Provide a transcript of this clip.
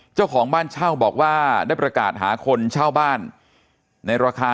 เจ้าของบ้านเช่าบอกว่าได้ประกาศหาคนเช่าบ้านในราคา